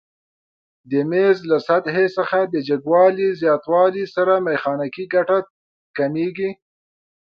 د میز له سطحې څخه د جګوالي زیاتوالي سره میخانیکي ګټه کمیږي؟